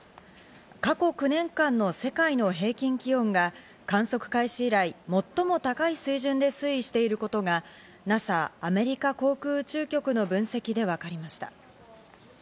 過去９年間の世界の平均気温が観測開始以来、最も高い水準で推移していることがＮＡＳＡ＝アメリカ航空宇宙局の分析で分かりました。